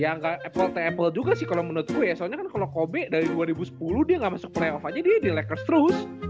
iya kalo lebron sama apple sama apple juga sih kalo menurut gua ya soalnya kalo kobe dari dua ribu sepuluh dia ga masuk playoff aja dia di lacquers terus